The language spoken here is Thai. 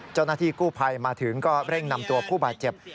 เจ้าหน้าที่กู้ภัยมาถึงก็เร่งนำตัวผู้บาดเจ็บ